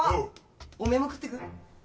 おめえも食ってく？